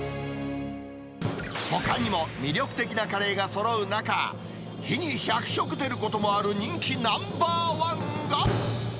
ほかにも魅力的なカレーがそろう中、日に１００食出ることもある人気ナンバー１が。